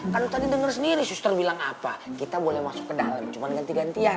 kan tadi denger sendiri suster bilang apa kita boleh masuk ke dalam cuma ganti gantian